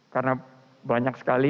karena banyak sekali